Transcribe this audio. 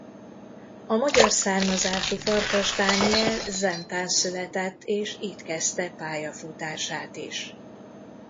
A magyar származású Farkas Dániel Zentán született és itt kezdte pályafutását is.